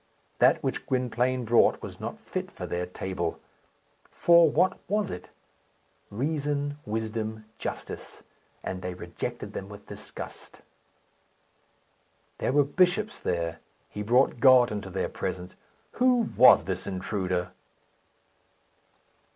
That which Gwynplaine brought was not fit for their table. For what was it? Reason, wisdom, justice; and they rejected them with disgust. There were bishops there. He brought God into their presence. Who was this intruder?